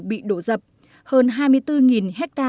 bị đổ dập hơn hai mươi bốn hecta